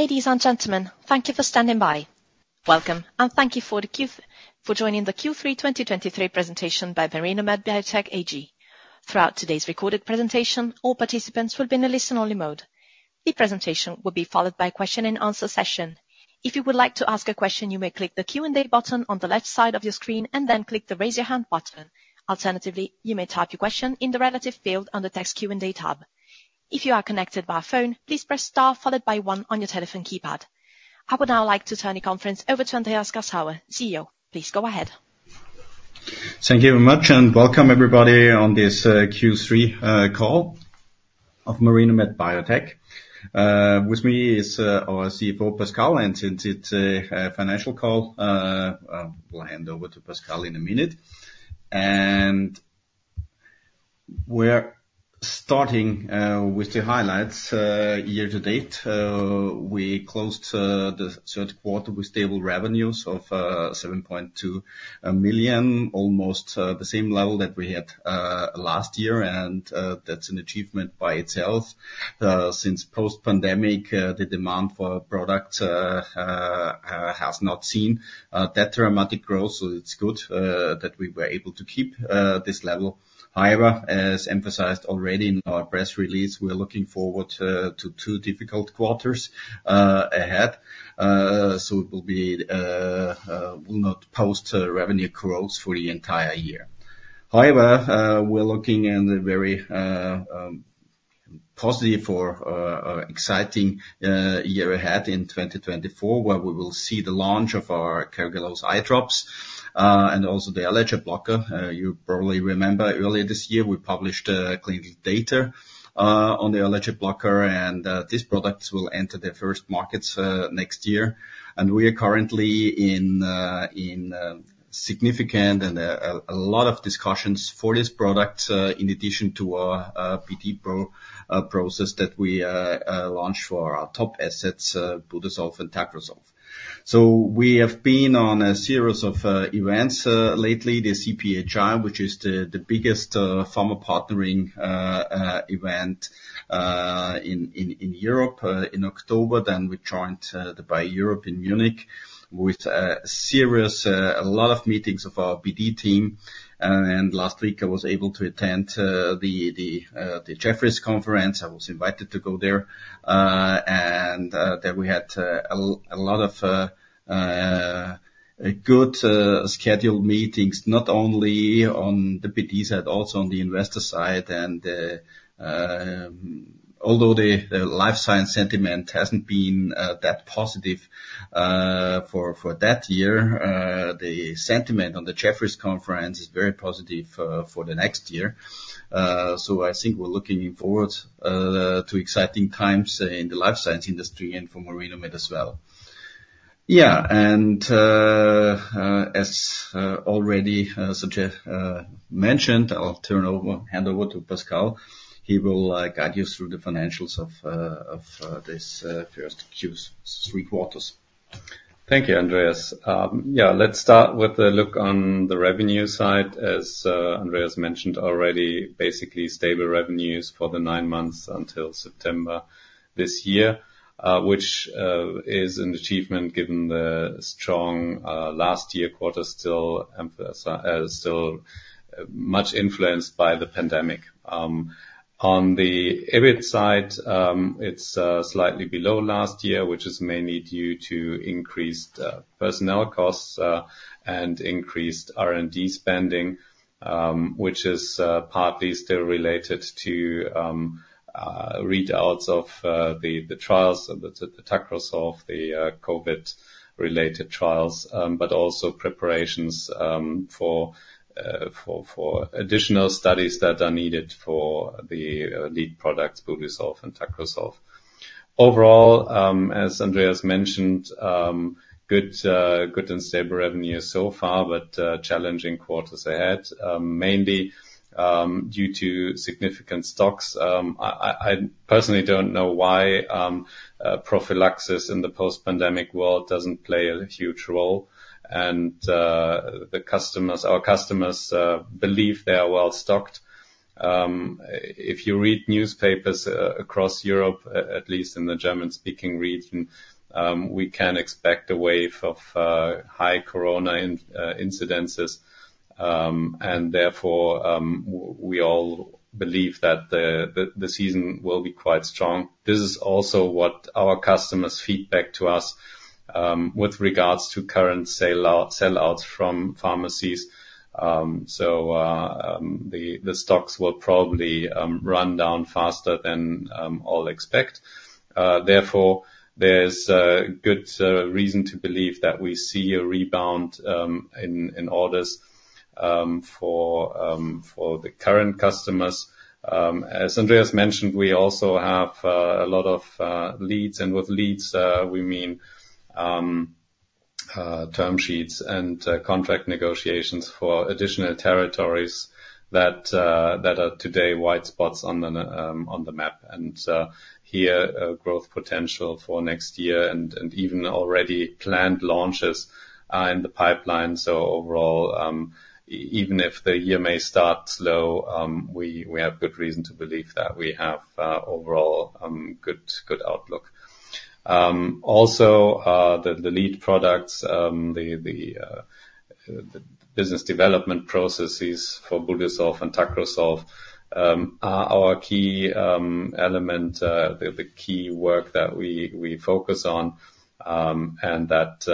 Ladies and gentlemen, thank you for standing by. Welcome, and thank you for the Q, for joining the Q3 2023 presentation by Marinomed Biotech AG. Throughout today's recorded presentation, all participants will be in a listen-only mode. The presentation will be followed by a question-and-answer session. If you would like to ask a question, you may click the Q&A button on the left side of your screen and then click the Raise Your Hand button. Alternatively, you may type your question in the relevant field on the text Q&A tab. If you are connected via phone, please press Star followed by one on your telephone keypad. I would now like to turn the conference over to Andreas Grassauer, CEO. Please go ahead. Thank you very much, and welcome everybody on this Q3 call of Marinomed Biotech. With me is our CFO, Pascal, and since it's a financial call, we'll hand over to Pascal in a minute. We're starting with the highlights year to date. We closed the third quarter with stable revenues of 7.2 million, almost the same level that we had last year, and that's an achievement by itself. Since post-pandemic, the demand for our product has not seen that dramatic growth, so it's good that we were able to keep this level. However, as emphasized already in our press release, we're looking forward to two difficult quarters ahead. So it will be, we'll not post revenue growth for the entire year. However, we're looking in a very positive or exciting year ahead in 2024, where we will see the launch of our Tacrosolv eye drops and also the allergen blocker. You probably remember earlier this year, we published clinical data on the allergen blocker, and these products will enter their first markets next year. And we are currently in significant and a lot of discussions for this product, in addition to our BD process that we launched for our top assets, Budesolv and Tacrosolv. So we have been on a series of events lately. The CPHI, which is the biggest pharma partnering event in Europe in October. Then we joined the BioEurope in Munich with a lot of meetings of our BD team. And last week I was able to attend the Jefferies conference. I was invited to go there. And there we had a lot of good scheduled meetings, not only on the BD side, also on the investor side. And although the life science sentiment hasn't been that positive for that year, the sentiment on the Jefferies conference is very positive for the next year. So I think we're looking forward to exciting times in the life science industry and for Marinomed as well. Yeah, as already [inaudible] mentioned, I'll hand over to Pascal. He will guide you through the financials of this first Q3 quarters. Thank you, Andreas. Yeah, let's start with a look on the revenue side. As Andreas mentioned already, basically stable revenues for the nine months until September this year, which is an achievement given the strong last year quarter, still emphasis, still much influenced by the pandemic. On the EBIT side, it's slightly below last year, which is mainly due to increased personnel costs and increased R&D spending, which is partly still related to readouts of the trials, the Tacrosolv, the COVID-related trials. But also preparations for additional studies that are needed for the lead products, Budesolv and Tacrosolv. Overall, as Andreas mentioned, good and stable revenue so far, but challenging quarters ahead, mainly due to significant stocks. I personally don't know why prophylaxis in the post-pandemic world doesn't play a huge role, and the customers, our customers, believe they are well-stocked. If you read newspapers across Europe, at least in the German-speaking region, we can expect a wave of high corona incidences. And therefore, we all believe that the season will be quite strong. This is also what our customers feedback to us with regards to current sellouts from pharmacies. So, the stocks will probably run down faster than all expect. Therefore, there's a good reason to believe that we see a rebound in orders for the current customers. As Andreas mentioned, we also have a lot of leads, and with leads, we mean term sheets and contract negotiations for additional territories that are today white spots on the map. And here, growth potential for next year and even already planned launches are in the pipeline. So overall, even if the year may start slow, we have good reason to believe that we have overall good outlook.... Also, the lead products, the business development processes for Budesolv and Tacrosolv, are our key element, the key work that we focus on, and that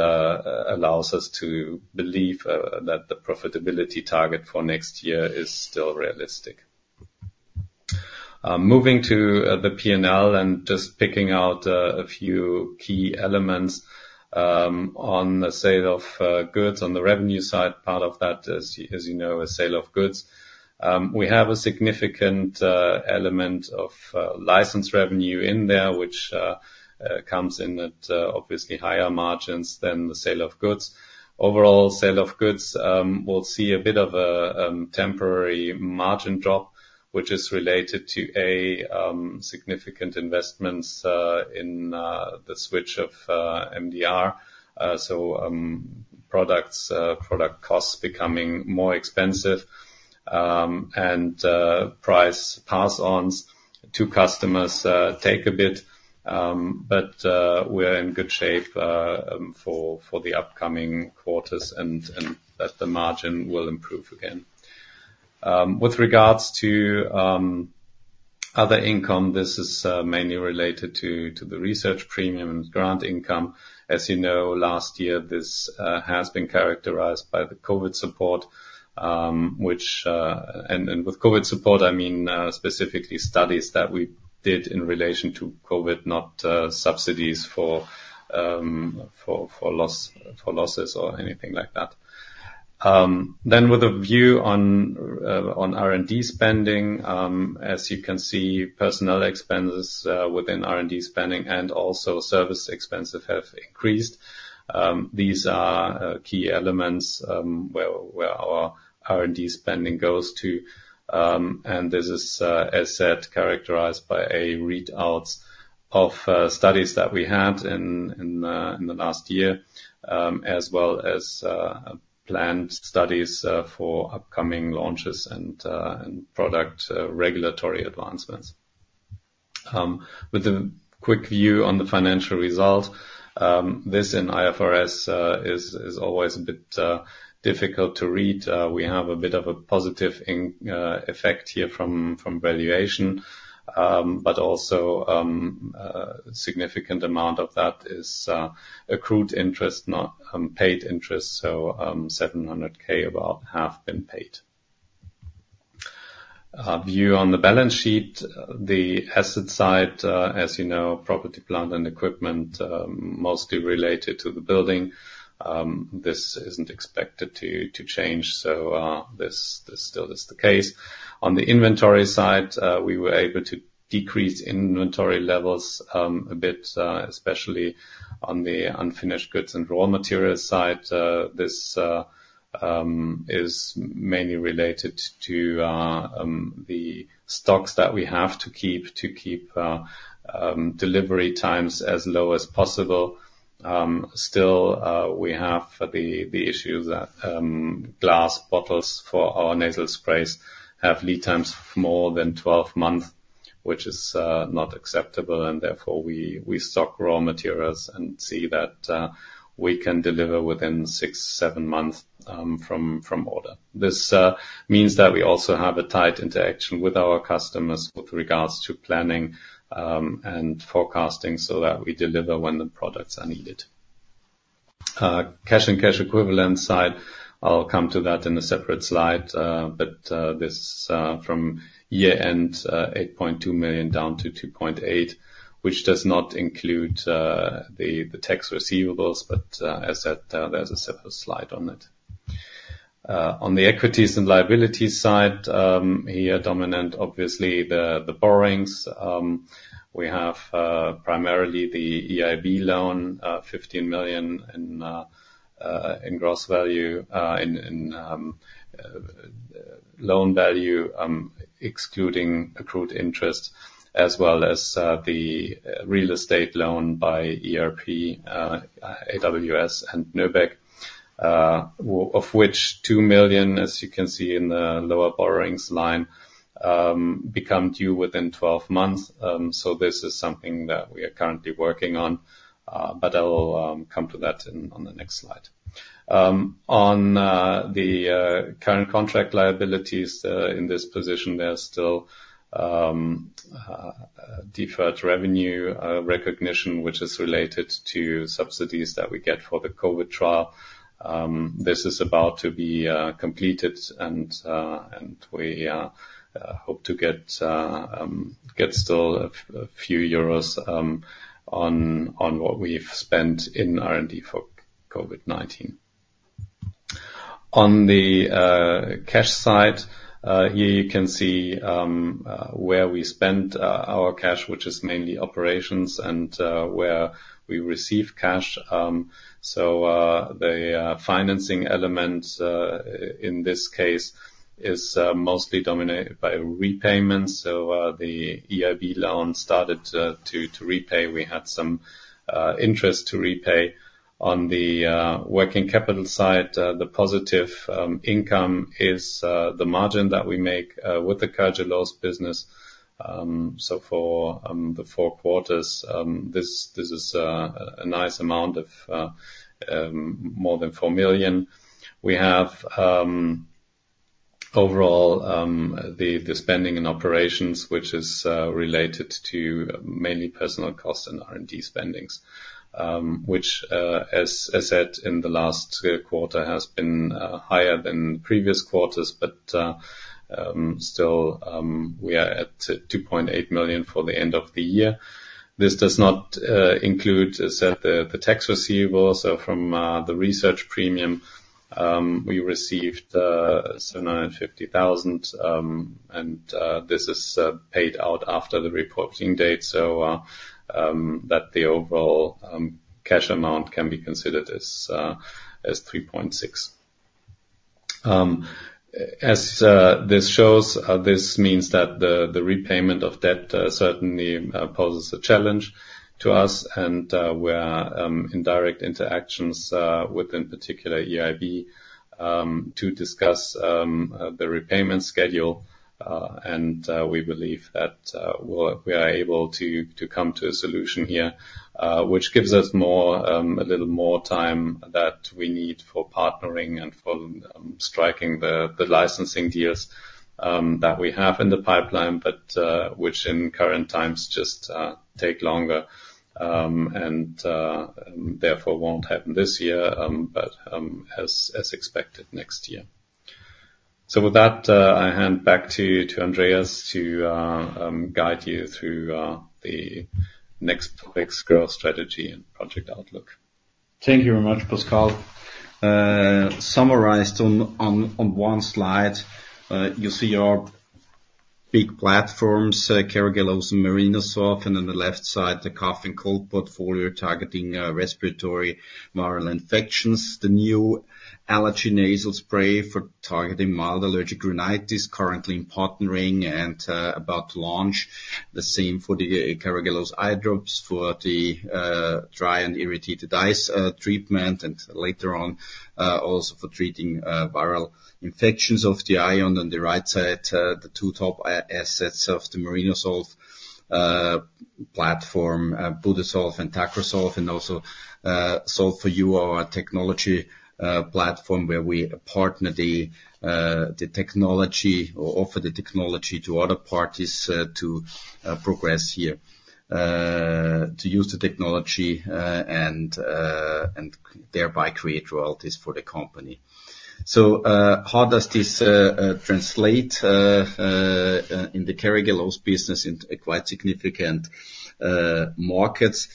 allows us to believe that the profitability target for next year is still realistic. Moving to the P&L and just picking out a few key elements, on the sale of goods. On the revenue side, part of that is, as you know, a sale of goods. We have a significant element of license revenue in there, which comes in at, obviously, higher margins than the sale of goods. Overall, sale of goods will see a bit of a temporary margin drop, which is related to a significant investments in the switch of MDR. So, product costs becoming more expensive, and price pass-ons to customers take a bit. But we're in good shape for the upcoming quarters, and that the margin will improve again. With regards to other income, this is mainly related to the research premium and grant income. As you know, last year, this has been characterized by the COVID support, which—and with COVID support, I mean specifically studies that we did in relation to COVID, not subsidies for losses or anything like that. Then with a view on R&D spending, as you can see, personnel expenses within R&D spending and also service expenses have increased. These are key elements where our R&D spending goes to. And this is, as said, characterized by readouts of studies that we had in the last year, as well as planned studies for upcoming launches and product regulatory advancements. With a quick view on the financial results, this in IFRS is always a bit difficult to read. We have a bit of a positive effect here from valuation, but also significant amount of that is accrued interest, not paid interest. So, 700K, about half been paid. View on the balance sheet, the asset side, as you know, property, plant, and equipment, mostly related to the building. This isn't expected to change, so this still is the case. On the inventory side, we were able to decrease inventory levels a bit, especially on the unfinished goods and raw material side. This is mainly related to the stocks that we have to keep delivery times as low as possible. Still, we have the issue that glass bottles for our nasal sprays have lead times more than 12 months, which is not acceptable, and therefore, we stock raw materials and see that we can deliver within six to seven months from order. This means that we also have a tight interaction with our customers with regards to planning and forecasting, so that we deliver when the products are needed. Cash and cash equivalent side, I'll come to that in a separate slide, but this, from year end, 8.2 million down to 2.8 million, which does not include the tax receivables, but as said, there's a separate slide on it. On the equities and liabilities side, here, dominant, obviously, the borrowings. We have primarily the EIB loan, EUR 15 million in gross value, in loan value, excluding accrued interest, as well as the real estate loan by ERP, AWS and NÖBEG, of which 2 million, as you can see in the lower borrowings line, become due within 12 months. So this is something that we are currently working on, but I will come to that on the next slide. On the current contract liabilities in this position, there's still deferred revenue recognition, which is related to subsidies that we get for the COVID trial. This is about to be completed, and we hope to get still a few euros on what we've spent in R&D for COVID-19. On the cash side, here you can see where we spent our cash, which is mainly operations, and where we receive cash. So the financing element in this case is mostly dominated by repayments. So the EIB loan started to repay. We had some interest to repay. On the working capital side, the positive income is the margin that we make with the Carragelose business. So for the four quarters, this is a nice amount of more than 4 million. We have overall the spending and operations, which is related to mainly personnel costs and R&D spending. Which, as said in the last quarter, has been higher than previous quarters, but still, we are at 2.8 million for the end of the year. This does not include, as said, the tax receivable. So from the research premium, we received 950,000, and this is paid out after the reporting date, so that the overall cash amount can be considered as 3.6 million. As this shows, this means that the repayment of debt certainly poses a challenge to us, and we are in direct interactions with, in particular, EIB, to discuss the repayment schedule. And we believe that we are able to come to a solution here, which gives us a little more time that we need for partnering and for striking the licensing deals that we have in the pipeline, but which in current times just take longer. Therefore, won't happen this year, but as expected, next year. With that, I hand back to you, to Andreas, to guide you through the next next growth strategy and project outlook. Thank you very much, Pascal. Summarized on one slide, you see our big platforms, Carragelose and Marinosolv, and on the left side, the cough and cold portfolio, targeting respiratory viral infections. The new allergy nasal spray for targeting mild allergic rhinitis, currently in partnering and about to launch. The same for the Carragelose eye drops for the dry and irritated eyes treatment, and later on also for treating viral infections of the eye. On the right side, the two top assets of the Marinosolv platform, Budesolv and Tacrosolv, and also Solv4U technology platform, where we partner the technology or offer the technology to other parties, to progress here. To use the technology, and thereby create royalties for the company. So, how does this translate in the carrageenan business in a quite significant markets?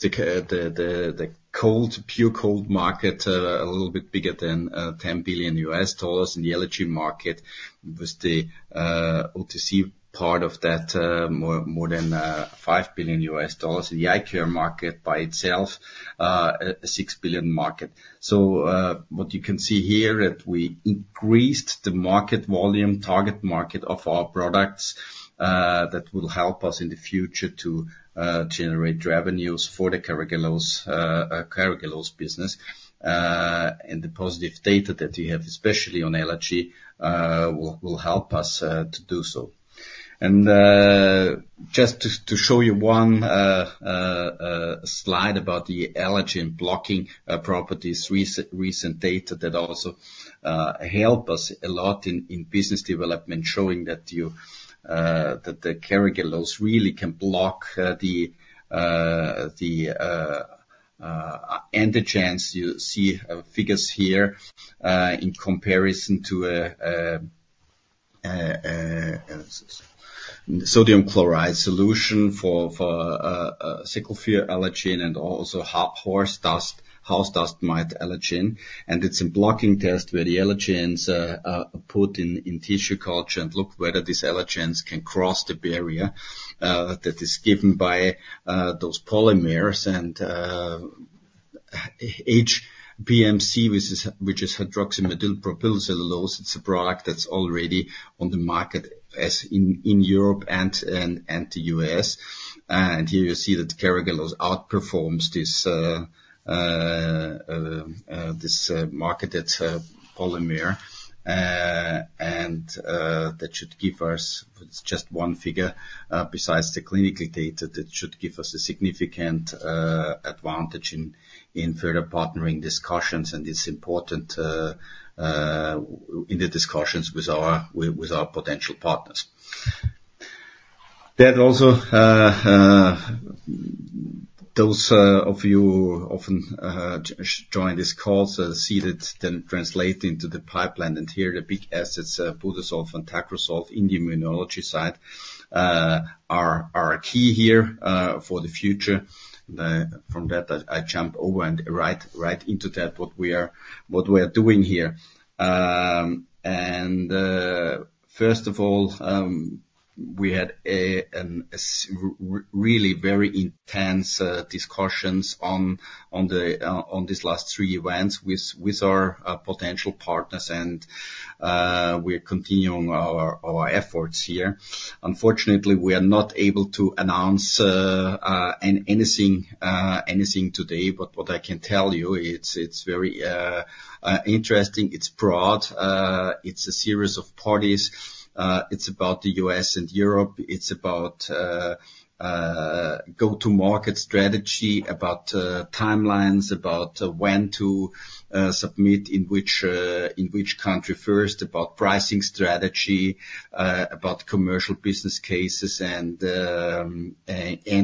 The cold, pure cold market, a little bit bigger than $10 billion. In the allergy market, with the OTC part of that, more than $5 billion. In the eye care market by itself, a $6 billion market. So, what you can see here, that we increased the market volume, target market of our products, that will help us in the future to generate revenues for the carrageenan business. And the positive data that we have, especially on allergy, will help us to do so. Just to show you one slide about the allergen blocking properties, recent data that also help us a lot in business development, showing that the carrageenan really can block the antigens. You see figures here in comparison to a sodium chloride solution for Secale cereale allergen and also horse dust, house dust mite allergen. And it's a blocking test, where the allergens are put in tissue culture and look whether these allergens can cross the barrier that is given by those polymers. And HPMC, which is hydroxypropyl methylcellulose. It's a product that's already on the market in Europe and the US. And here you see that carrageenan outperforms this, this marketed polymer. And that should give us just one figure, besides the clinical data, that should give us a significant advantage in further partnering discussions. And it's important in the discussions with our potential partners. That also, those of you often join this call, so see that then translate into the pipeline. And here, the big assets, Budesolv and Tacrosolv in the immunology side, are key here for the future. From that, I jump over and right into that, what we are doing here. And first of all, we had a really very intense discussions on these last three events with our potential partners and we are continuing our efforts here. Unfortunately, we are not able to announce anything today, but what I can tell you, it's very interesting, it's broad, it's a series of parties. It's about the U.S. and Europe. It's about go-to-market strategy, about timelines, about when to submit, in which country first, about pricing strategy, about commercial business cases and,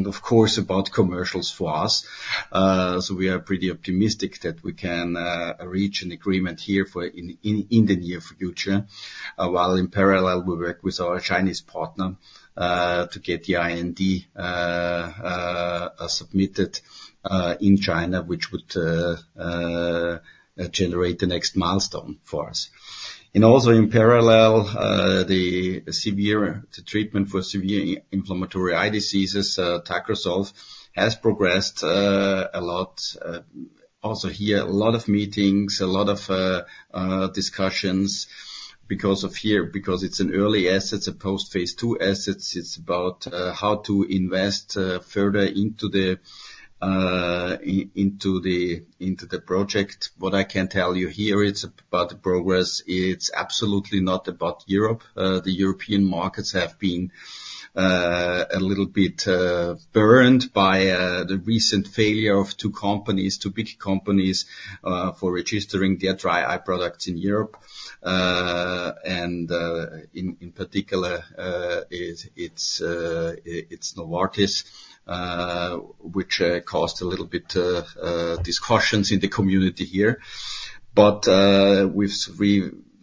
of course, about commercials for us. So we are pretty optimistic that we can reach an agreement here in the near future. While in parallel, we work with our Chinese partner to get the IND submitted in China, which would generate the next milestone for us. And also in parallel, the treatment for severe inflammatory eye diseases, Tacrosolv has progressed a lot. Also here, a lot of meetings, a lot of discussions because here, because it's an early asset, a post phase II asset. It's about how to invest further into the project. What I can tell you here, it's about the progress. It's absolutely not about Europe. The European markets have been a little bit burned by the recent failure of two companies, two big companies for registering their dry eye products in Europe. In particular, it's Novartis, which caused a little bit discussions in the community here. But we've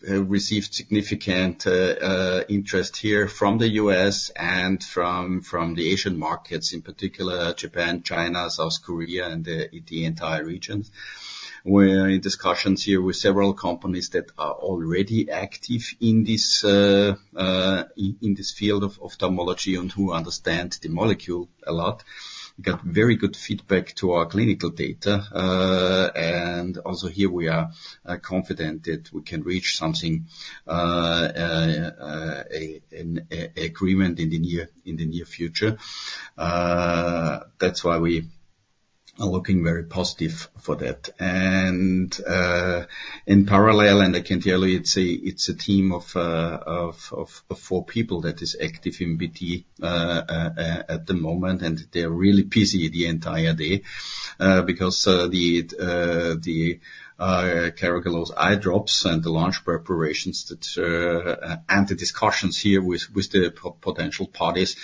received significant interest here from the U.S. and from the Asian markets, in particular, Japan, China, South Korea, and the entire region. We're in discussions here with several companies that are already active in this in this field of ophthalmology and who understand the molecule a lot. We got very good feedback to our clinical data. And also here we are confident that we can reach something a an a agreement in the near in the near future. That's why we are looking very positive for that. In parallel, and I can tell you, it's a team of four people that is active in BD at the moment, and they're really busy the entire day. Because the carrageenan's eye drops and the launch preparations and the discussions here with the potential parties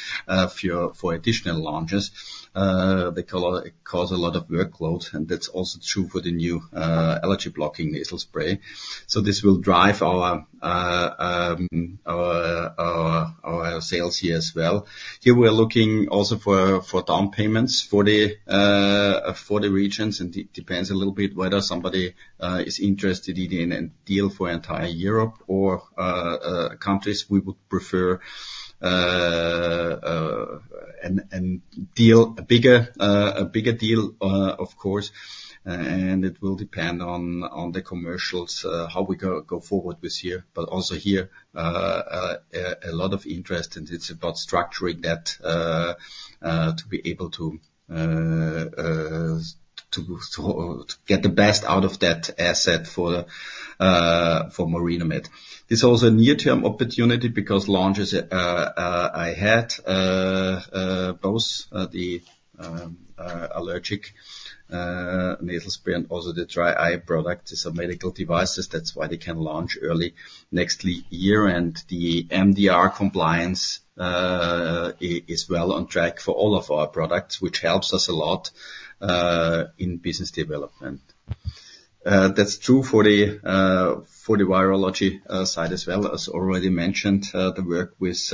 for additional launches, they cause a lot of workloads, and that's also true for the new allergy blocking nasal spray. So this will drive our sales here as well. Here we're looking also for down payments for the regions and depends a little bit whether somebody is interested in a deal for entire Europe or countries. We would prefer a deal, a bigger deal, of course, and it will depend on the commercials, how we go forward with here. But also here, a lot of interest, and it's about structuring that to be able to get the best out of that asset for Marinomed. It's also a near-term opportunity because launches both the allergic nasal spray and also the dry eye product are medical devices. That's why they can launch early next year and the MDR compliance is well on track for all of our products, which helps us a lot in business development. That's true for the virology side as well. As already mentioned, the work with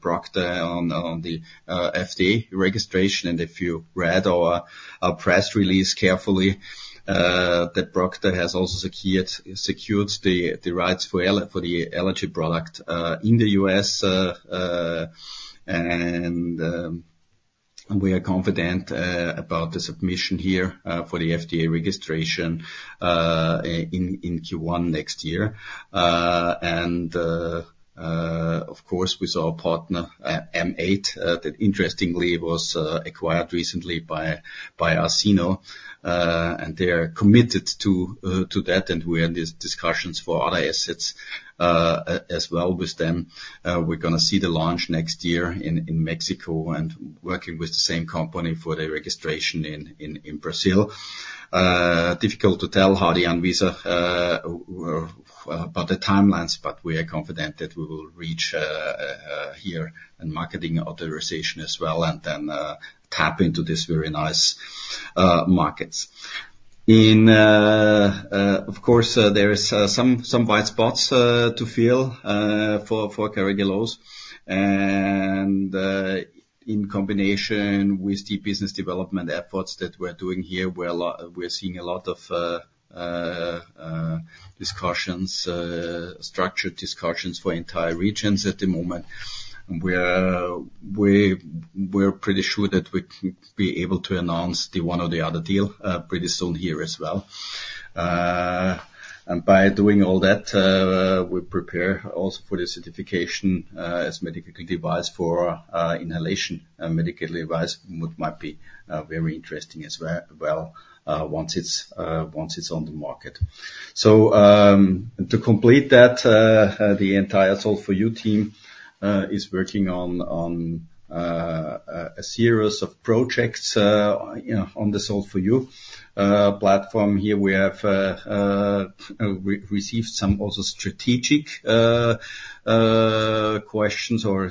Procter on the FDA registration, and if you read our press release carefully, that Procter has also secured the rights for the allergy product in the U.S., and we are confident about the submission here for the FDA registration in Q1 next year. And of course, with our partner M8 that interestingly was acquired recently by Acino. And they are committed to that, and we are in these discussions for other assets as well with them. We're gonna see the launch next year in Mexico and working with the same company for the registration in Brazil. Difficult to tell how the ANVISA about the timelines, but we are confident that we will reach regulatory marketing authorization as well, and then tap into this very nice markets. Of course, there is some white spots to fill for Carragelose. And in combination with the business development efforts that we're doing here, we're seeing a lot of discussions, structured discussions for entire regions at the moment. And we're pretty sure that we can be able to announce the one or the other deal pretty soon here as well. And by doing all that, we prepare also for the certification as medical device for inhalation medical device, which might be very interesting as well, well, once it's on the market. So, to complete that, the entire Solv4U team is working on a series of projects, you know, on the Solv4U platform. Here we have received some also strategic questions or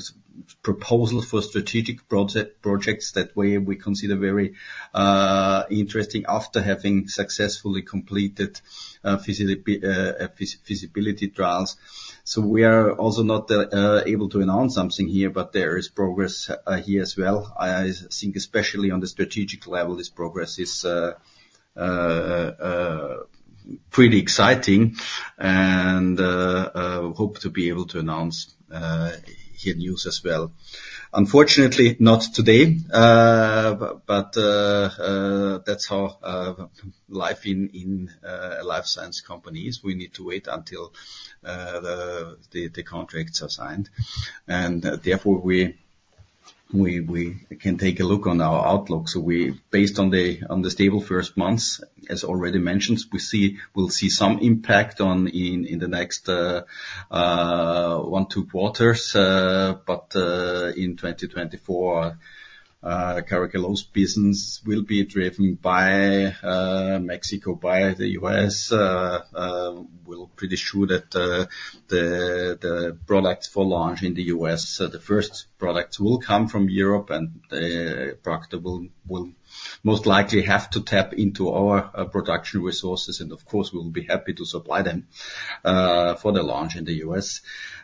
proposals for strategic projects that we consider very interesting after having successfully completed feasibility trials. So we are also not able to announce something here, but there is progress here as well. I think especially on the strategic level, this progress is pretty exciting, and hope to be able to announce here news as well. Unfortunately, not today, but that's how life in life science company is. We need to wait until the contracts are signed, and therefore we can take a look on our outlook. So we based on the stable first months, as already mentioned, we'll see some impact on in the next one, two quarters. But in 2024, Carragelose business will be driven by Mexico, by the U.S. We're pretty sure that the products for launch in the U.S., the first products will come from Europe, and Procter will most likely have to tap into our production resources, and of course, we'll be happy to supply them for the launch in the U.S.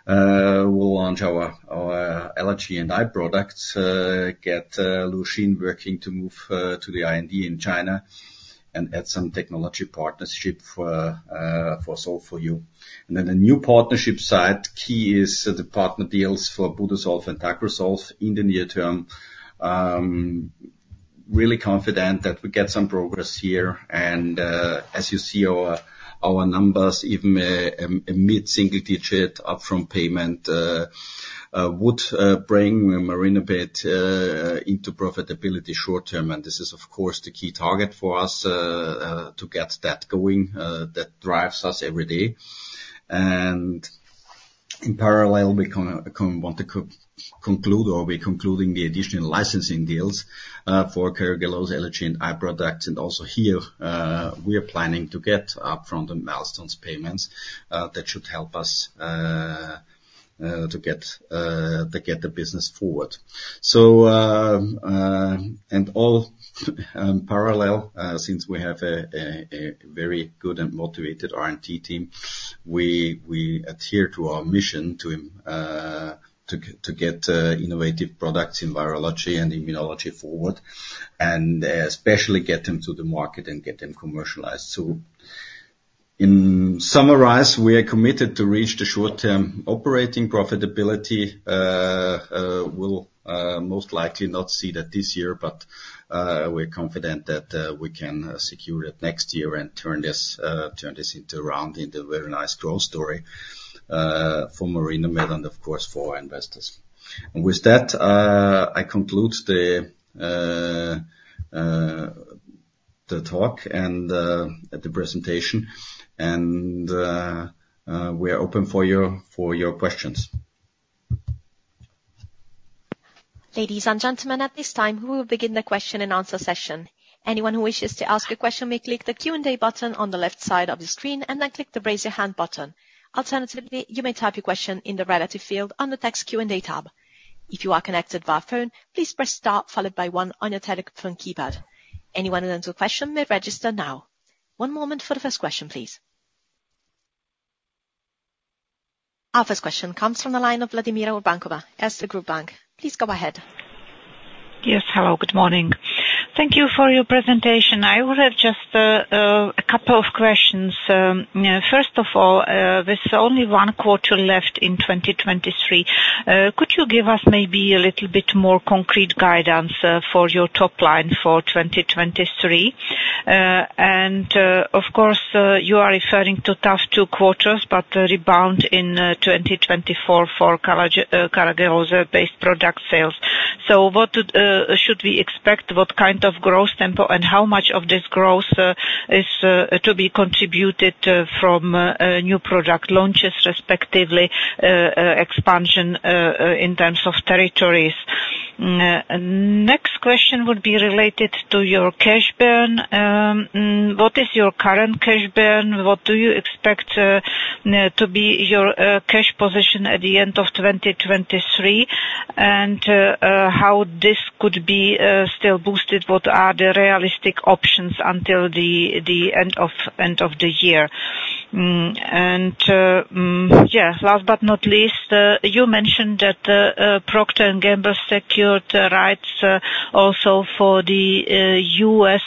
We'll launch our allergy and eye products, get Luoxin working to move to the IND in China and add some technology partnership for Solv4U. And then the new partnership side, key is the partner deals for Budesolv and Tacrosolv in the near term. Really confident that we get some progress here, and as you see our numbers, even a mid-single digit upfront payment would bring Marinomed into profitability short term. This is, of course, the key target for us to get that going. That drives us every day. And in parallel, we kinda want to conclude or be concluding the additional licensing deals for Carragelose allergy and eye products. And also here, we are planning to get up front the milestones payments that should help us to get the business forward. So, in parallel, since we have a very good and motivated R&D team, we adhere to our mission to get innovative products in virology and immunology forward, and especially get them to the market and get them commercialized. So, in summary, we are committed to reach the short-term operating profitability. We'll most likely not see that this year, but we're confident that we can secure it next year and turn this around into a very nice growth story for Marinomed and, of course, for our investors. And with that, I conclude the talk and the presentation. And we are open for your questions. Ladies and gentlemen, at this time, we will begin the question and answer session. Anyone who wishes to ask a question may click the Q&A button on the left side of the screen and then click the Raise Your Hand button. Alternatively, you may type your question in the relative field on the text Q&A tab. If you are connected via phone, please press star followed by one on your telephone keypad. Anyone with a question may register now. One moment for the first question, please. Our first question comes from the line of Vladimira Urbankova, Erste Group bank. Please go ahead. Yes, hello, good morning. Thank you for your presentation. I would have just a couple of questions. First of all, there's only one quarter left in 2023. Could you give us maybe a little bit more concrete guidance for your top line for 2023? And, of course, you are referring to tough two quarters, but a rebound in 2024 for Carragelose-based product sales. So what should we expect? What kind of growth tempo, and how much of this growth is to be contributed from new product launches, respectively, expansion in terms of territories? Next question would be related to your cash burn. What is your current cash burn? What do you expect to be your cash position at the end of 2023? And how this could be still boosted? What are the realistic options until the end of the year? Mm, yeah, last but not least, you mentioned that Procter & Gamble secured rights also for the U.S.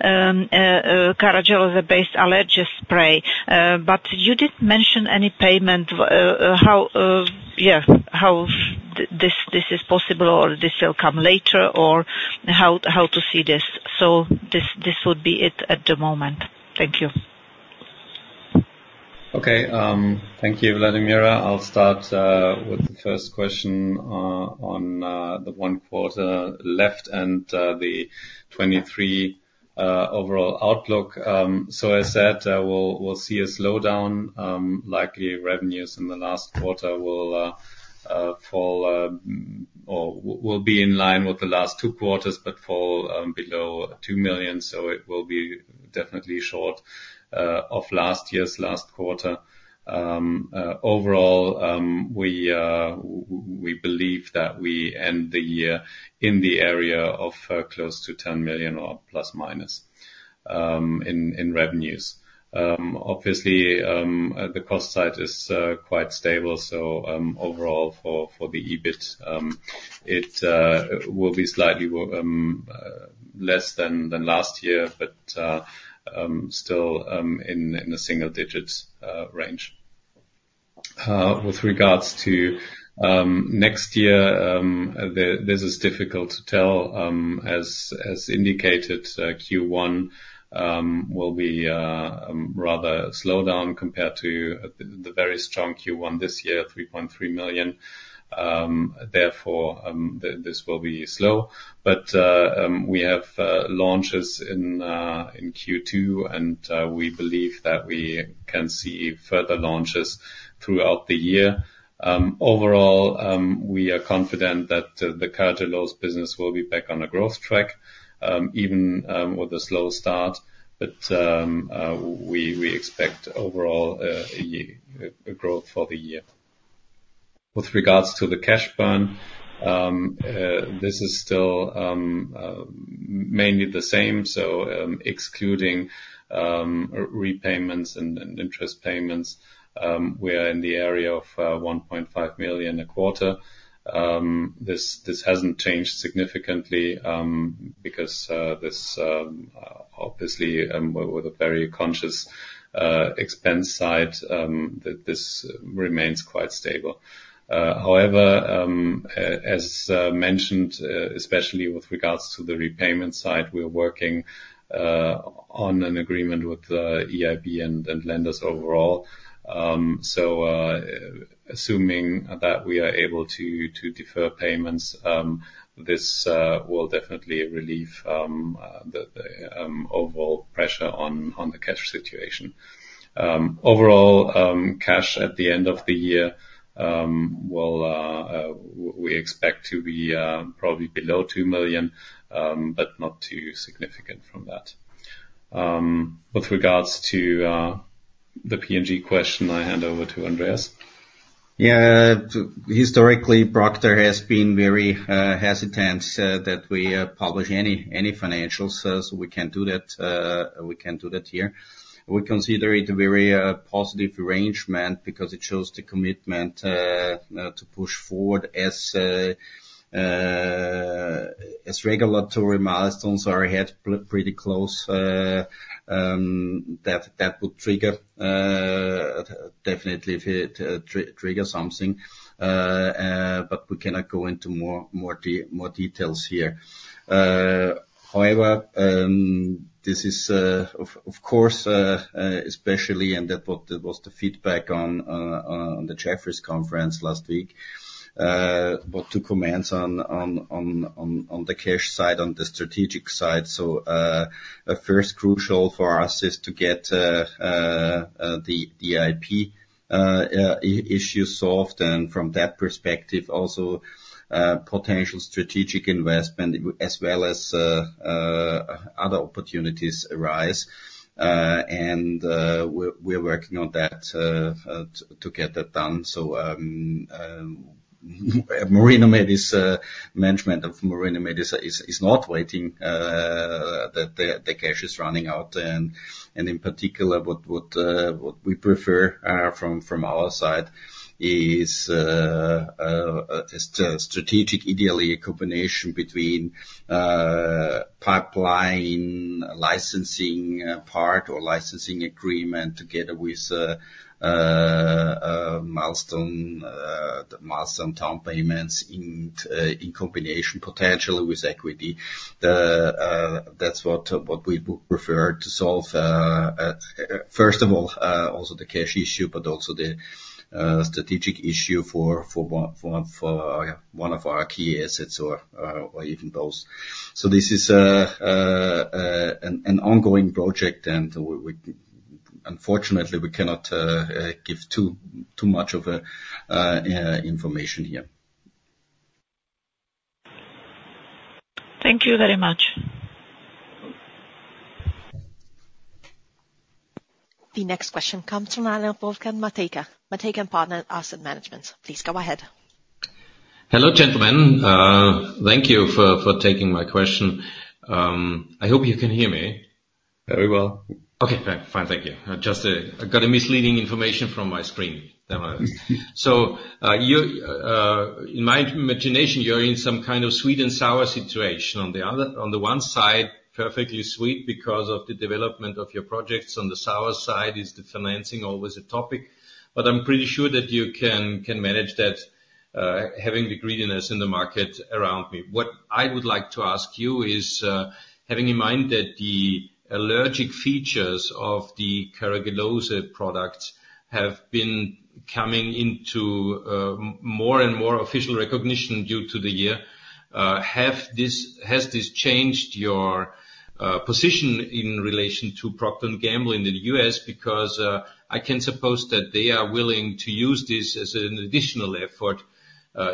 Carragelose-based allergy spray. You didn't mention any payment. How, yeah, how this is possible, or this will come later, or how to see this? This would be it at the moment. Thank you. Okay, thank you, Vladimira. I'll start with the first question on the one quarter left and the 2023 overall outlook. So I said, we'll see a slowdown. Likely revenues in the last quarter will fall or will be in line with the last two quarters, but fall below 2 million. So it will be definitely short of last year's last quarter. Overall, we believe that we end the year in the area of close to 10 million ± in revenues. Obviously, the cost side is quite stable, so overall for the EBIT, it will be slightly less than last year, but still in the single digits EUR range. With regards to next year, this is difficult to tell. As indicated, Q1 will be rather slow down compared to the very strong Q1 this year, 3.3 million. Therefore, this will be slow, but we have launches in Q2, and we believe that we can see further launches throughout the year. Overall, we are confident that the Carragelose business will be back on a growth track, even with a slow start. But we expect overall a growth for the year. With regards to the cash burn, this is still mainly the same. So, excluding repayments and interest payments, we are in the area of 1.5 million a quarter. This hasn't changed significantly because this obviously with a very conscious expense side this remains quite stable. However, as mentioned, especially with regards to the repayment side, we're working on an agreement with EIB and lenders overall. So, assuming that we are able to defer payments, this will definitely relieve the overall pressure on the cash situation. Overall, cash at the end of the year we expect to be probably below 2 million, but not too significant from that. With regards to the P&G question, I hand over to Andreas. Yeah. Historically, Procter has been very hesitant that we publish any financials, so we can't do that, we can't do that here. We consider it a very positive arrangement because it shows the commitment to push forward as regulatory milestones are ahead, pretty close, that would trigger definitely if it trigger something. But we cannot go into more details here. However, this is of course especially and that what was the feedback on the Jefferies conference last week, what two comments on the cash side, on the strategic side. So, a first crucial for us is to get the EIB issue solved, and from that perspective, also potential strategic investment, as well as other opportunities arise. And we're working on that to get that done. So, Marinomed management of Marinomed is not waiting, the cash is running out. And in particular, what we prefer from our side is strategic, ideally a combination between pipeline licensing part or licensing agreement together with milestone down payments in combination, potentially with equity. That's what we would prefer to solve first of all, also the cash issue, but also the strategic issue for one of our key assets or even both. So this is an ongoing project, and we unfortunately cannot give too much information here. Thank you very much. The next question comes from Wolfgang Matejka. Matejka & Partner Asset Management. Please go ahead. Hello, gentlemen. Thank you for taking my question. I hope you can hear me. Very well. Okay, fine. Thank you. I just, I got a misleading information from my screen. Never mind. So, you, in my imagination, you're in some kind of sweet and sour situation. On the other- on the one side, perfectly sweet because of the development of your projects. On the sour side, is the financing always a topic? But I'm pretty sure that you can, can manage that, having the greediness in the market around me. What I would like to ask you is, having in mind that the allergic features of the Carragelose products have been coming into, more and more official recognition due to the year, have this-- has this changed your position in relation to Procter & Gamble in the U.S.? Because, I can suppose that they are willing to use this as an additional effort,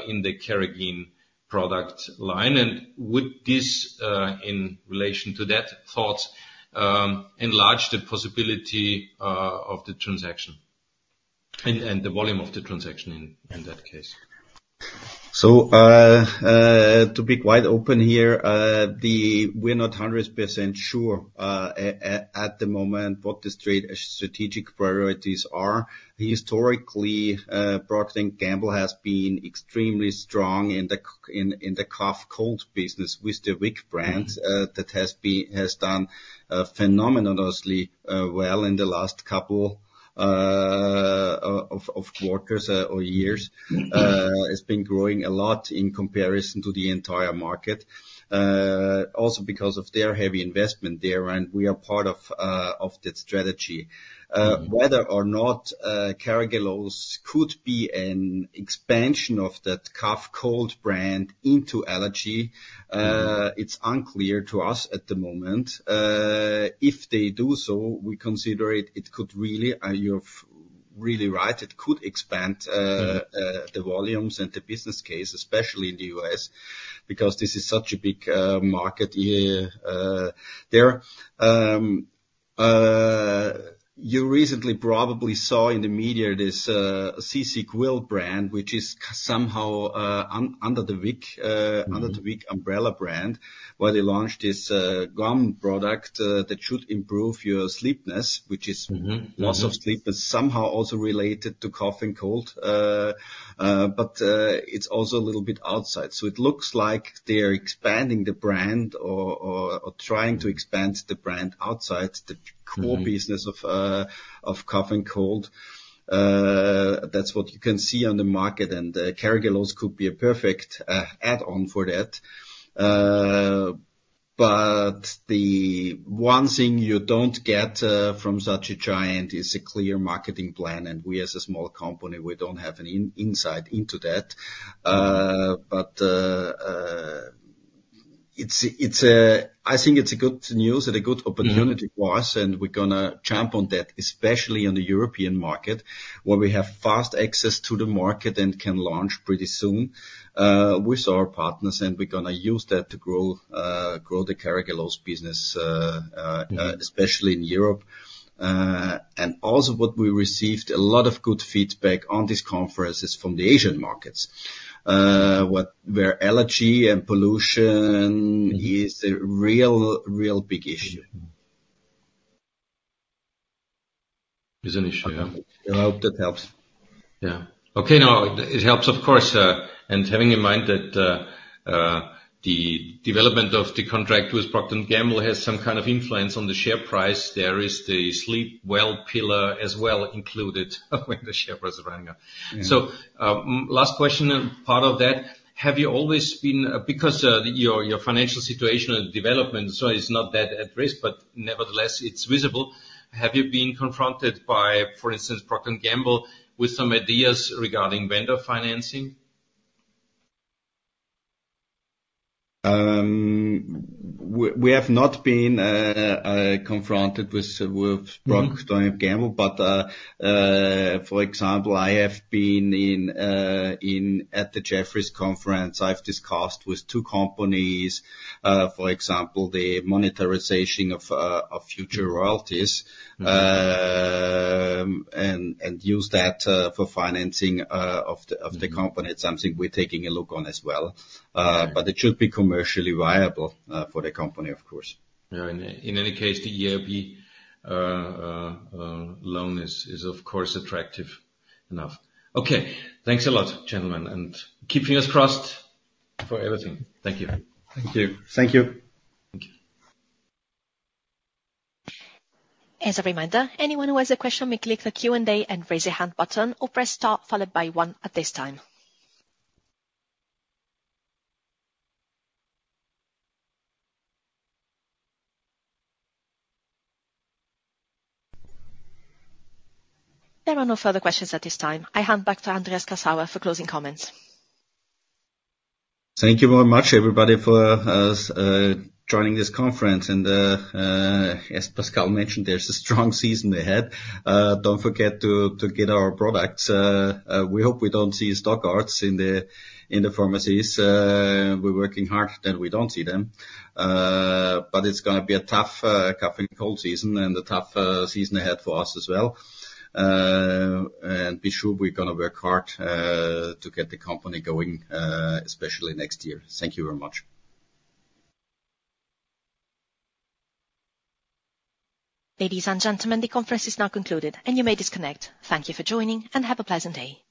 in the Carrageenan product line. And would this, in relation to that thought, enlarge the possibility, of the transaction, and, and the volume of the transaction in, in that case? To be quite open here, we're not 100% sure at the moment what the strategic priorities are. Historically, Procter & Gamble has been extremely strong in the cough, cold business with the Vicks brand. That has done phenomenally well in the last couple of quarters or years. Mm-hmm. It's been growing a lot in comparison to the entire market, also because of their heavy investment there, and we are part of that strategy. Mm-hmm. Whether or not Carragelose could be an expansion of that cough, cold brand into allergy. Mm-hmm. It's unclear to us at the moment. If they do so, we consider it, it could really, you're really right, it could expand. Mm-hmm The volumes and the business case, especially in the U.S., because this is such a big market there. You recently probably saw in the media this ZzzQuil brand, which is somehow under the Vicks- Mm-hmm Under the Vicks umbrella brand, where they launched this gum product that should improve your sleepiness, which is- Mm-hmm, mm-hmm Loss of sleep, is somehow also related to cough and cold. But, it's also a little bit outside. So it looks like they're expanding the brand or, or, or trying to expand the brand outside the- Mm-hmm Core business of cough and cold. That's what you can see on the market, and the Carragelose could be a perfect add-on for that. But the one thing you don't get from such a giant is a clear marketing plan, and we as a small company, we don't have an insight into that. I think it's good news and a good opportunity- Mm-hmm For us, and we're gonna jump on that, especially in the European market, where we have fast access to the market and can launch pretty soon, with our partners, and we're gonna use that to grow the Carragelose business. Mm-hmm Especially in Europe. And also what we received a lot of good feedback on this conference is from the Asian markets, where allergy and pollution- Mm-hmm Is a real, real big issue. Mm-hmm. Is an issue, yeah. I hope that helps. Yeah. Okay, now it helps, of course, and having in mind that the development of the contract with Procter & Gamble has some kind of influence on the share price. There is the sleep well pillar as well included when the share price is going up. Mm-hmm. So, last question, and part of that: Have you always been. Because, your, your financial situation and development, so it's not that at risk, but nevertheless, it's visible. Have you been confronted by, for instance, Procter & Gamble, with some ideas regarding vendor financing? We have not been confronted with Procter & Gamble, but for example, I have been in at the Jefferies conference. I've discussed with two companies, for example, the monetization of future royalties- Mm-hmm... and use that for financing of the- Mm-hmm... company. It's something we're taking a look on as well. Yeah. But it should be commercially viable, for the company, of course. Yeah, in any case, the EIB loan is of course attractive enough. Okay, thanks a lot, gentlemen, and keep fingers crossed for everything. Thank you. Thank you. Thank you. Thank you. As a reminder, anyone who has a question may click the Q&A and Raise Your Hand button or press star followed by one at this time. There are no further questions at this time. I hand back to Andreas Grassauer for closing comments. Thank you very much, everybody, for joining this conference, and as Pascal mentioned, there's a strong season ahead. Don't forget to get our products. We hope we don't see stockouts in the pharmacies. We're working hard that we don't see them. But it's gonna be a tough cough and cold season, and a tough season ahead for us as well. And be sure we're gonna work hard to get the company going, especially next year. Thank you very much. Ladies and gentlemen, the conference is now concluded, and you may disconnect. Thank you for joining, and have a pleasant day.